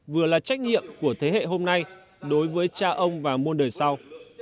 vừa là trách nhiệm của thế hệ hôm nay đối với cha ông và muôn đời sau